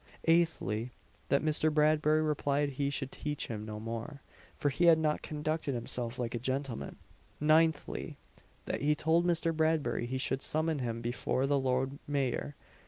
Eighthly, that Mr. Bradbury replied he should teach him no more, for he had not conducted himself like a gentleman. Ninthly, that he told Mr. Bradbury he should summon him before the Lord Mayor.